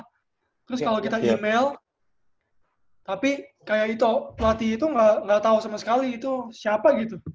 terus kalau kita email tapi kayak itu pelatih itu nggak tahu sama sekali itu siapa gitu